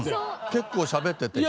結構しゃべってて。